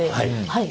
はい。